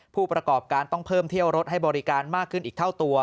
ผู้ประกอบการต้องเพิ่มเที่ยวรถให้บริการมากขึ้นอีกเท่าตัว